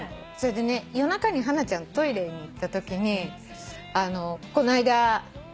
それでね夜中にハナちゃんトイレに行ったときにこないだ